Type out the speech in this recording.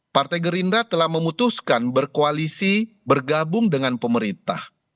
partai gerindra telah memutuskan berkoalisi bergabung dengan pemerintah